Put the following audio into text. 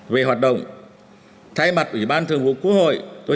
về hoạt động thay mặt ủy ban thường vụ quốc hội